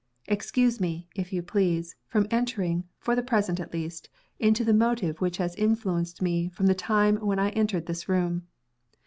Excuse me, if you please, from entering (for the present at least) into the motive which has influenced me from the time when I entered this room.